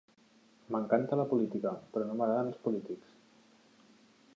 M'encanta la política, però no m'agraden els polítics.